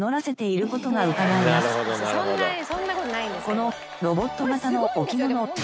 このロボット型の置物